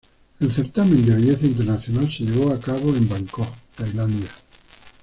El certamen de belleza internacional se llevó a cabo en Bangkok, Tailandia.